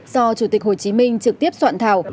do chủ tịch hồ chí minh trực tiếp soạn thảo